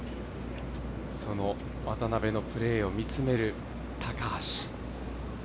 その渡邉のプレーを見つめる高橋。